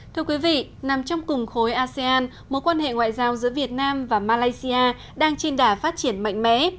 thưa quý vị nằm trong cùng khối asean mối quan hệ ngoại giao giữa việt nam và malaysia đang trên đà phát triển mạnh mẽ